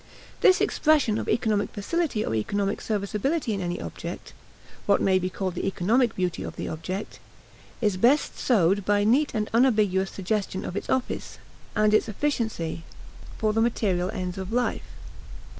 This expression of economic facility or economic serviceability in any object what may be called the economic beauty of the object is best served by neat and unambiguous suggestion of its office and its efficiency for the material ends of life.